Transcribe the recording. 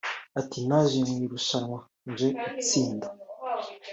Ati “Naje mu irushanwa nje gutsinda